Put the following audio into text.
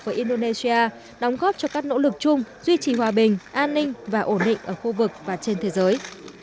với indonesia đóng góp cho các nỗ lực chung duy trì hòa bình an ninh và ổn định ở khu vực và trên thế giới